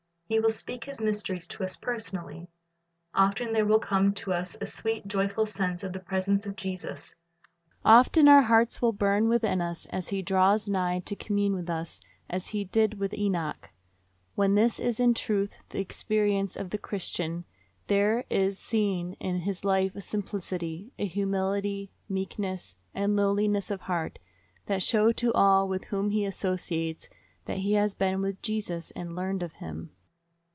He will speak His mysteries to us personally. Often there will come to us a sweet, joyful sense of the presence of Jesus. Often our hearts will burn within us as He draws nigh to commune with us as He did with Enoch. When this 130 Christ's hj c c t Lessons is in truth the experience of the Christian, there is seen in his hfe a simplicity, a humihty, meekness, and lowliness of heart, that show to all with whom he associates that he has been with Jesus and learned of Him.